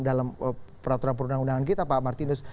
dalam peraturan perundangan kita pak martinus